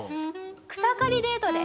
草刈りデートです。